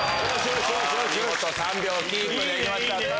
見事３秒キープできました。